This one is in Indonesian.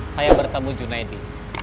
saya bertemu junedi